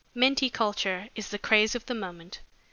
Menti culture is the craze of the moment.